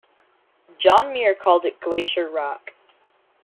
John Muir called it Glacier Rock.